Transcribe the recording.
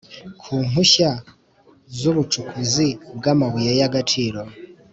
Ku mpushya z ubucukuzi bw amabuye y agaciro